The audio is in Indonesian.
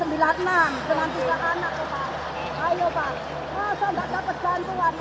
dengan tukang anak pak